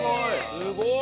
すごい！